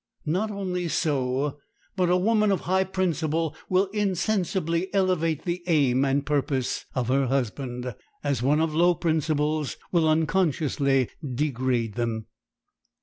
Not only so, but a woman of high principle will insensibly elevate the aim and purpose of her husband, as one of low principles will unconsciously degrade them.